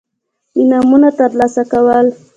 انعامونه ترلاسه کول.